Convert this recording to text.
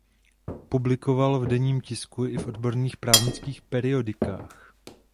Publikoval v denním tisku i v odborných právnických periodikách.